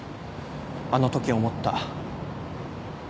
あのとき思った。